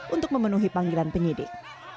untuk memenuhi panggilan penyidik